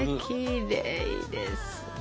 きれいですね。